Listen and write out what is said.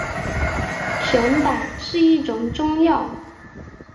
熊胆是一种中药。